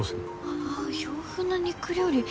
ああ洋風の肉料理。